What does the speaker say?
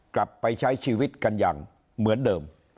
กลับไปใช้ชีวิตกันอย่างเหมือนเดิม